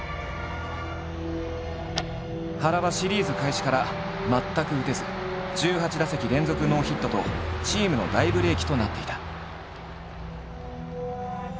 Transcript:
原はシリーズ開始から全く打てず１８打席連続ノーヒットとチームの大ブレーキとなっていた。